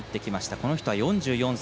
この人は４４歳。